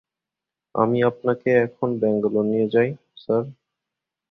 আমি আপনাকে এখন ব্যাঙ্গালোর নিয়ে যাই, স্যার।